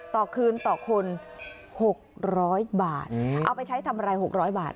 ต่อคืนต่อคนหกร้อยบาทอืมเอาไปใช้ทำอะไรหกร้อยบาท